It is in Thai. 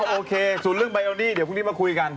โอเคส่วนเรื่องไยโอนี่เดี๋ยวพรุ่งนี้มาคุยกัน